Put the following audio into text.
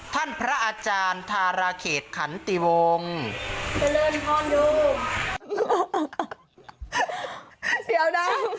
ท่านพระอาจารย์ทาห์ราเขตขันติวงเจอเลยพ่อหนู